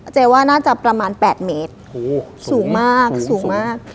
เจว่าน่าจะประมาณ๘เมตรสูงมาก